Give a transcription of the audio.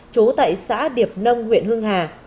chú tại xã điệp nông huyện hưng hà